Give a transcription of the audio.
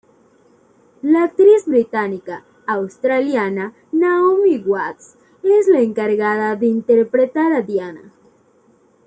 La actriz británica-australiana Naomi Watts es la encargada de interpretar a Diana.